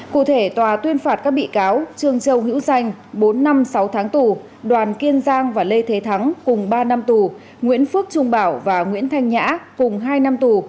cụ thể tòa tuyên phạt các bị cáo trương châu hữu danh bốn năm sáu tháng tù đoàn kiên giang và lê thế thắng cùng ba năm tù nguyễn phước trung bảo và nguyễn thanh nhã cùng hai năm tù